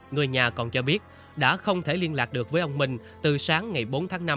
người nhà còn cho biết đã không thể liên lạc được với ông minh từ sáng ngày bốn tháng năm năm hai nghìn hai mươi